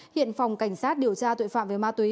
hiện phòng cảnh sát điều tra tội phạm về ma túy